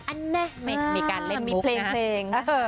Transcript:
อันเน่มีการเล่นบุ๊กนะมีเพลง